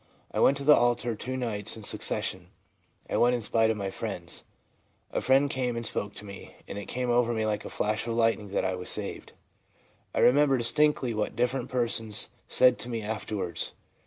I went to the altar two nights in succession ; I went in spite of my friends. A friend came and spoke to me, and it came over me like a flash of lightning that I was saved. I remember distinctly what different persons said to me afterwards.'